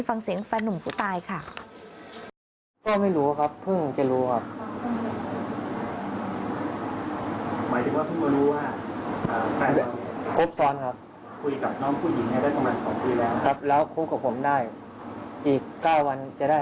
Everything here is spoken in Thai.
ฟังเสียงแฟนหนุ่มผู้ตายค่ะ